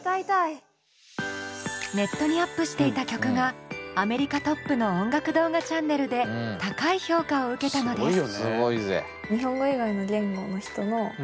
ネットにアップしていた曲がアメリカトップの音楽動画チャンネルで高い評価を受けたのです。